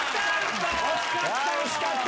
惜しかった。